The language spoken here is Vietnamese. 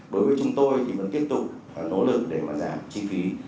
bởi vì chúng tôi thì vẫn tiếp tục nỗ lực để mà giảm chi phí